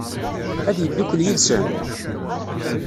Ad yeddukel yid-sen?